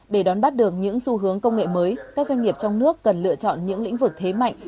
để đón bắt được những xu hướng công nghệ mới các doanh nghiệp trong nước cần lựa chọn những lĩnh vực thế mạnh